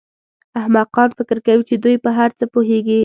احمقان فکر کوي چې دوی په هر څه پوهېږي.